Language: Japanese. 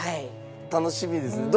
楽しみですね。